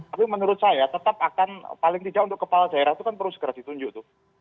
tapi menurut saya tetap akan paling tidak untuk kepala daerah itu kan perlu segera ditunjuk tuh